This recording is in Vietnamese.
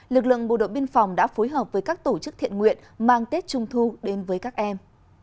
lực lượng bộ đội biên phòng đã phối hợp với các tổ chức thiện nguyện mang tết trung thu đến với các em